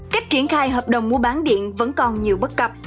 cách triển khai hợp đồng mua bán điện vẫn còn nhiều bất cập